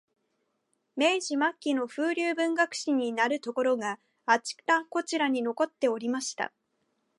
明治末期の風流文学史になるところが、あちらこちらに残っておりました